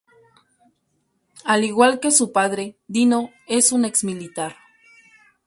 Al igual que su padre Dino es un ex-militar.